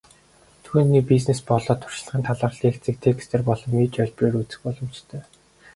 Түүний бизнес болоод туршлагын талаарх лекцийг текстээр болон видео хэлбэрээр үзэх боломжтой.